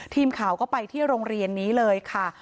ทีมข่าวก็ไปที่โรงเรียนนี้เลยค่ะ